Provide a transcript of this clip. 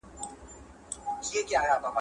انارګل په لوړ غږ مېږې راوبللې.